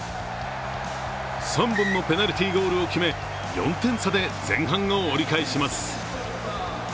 ３本のペナルティーゴールを決め４点差で前半を折り返します。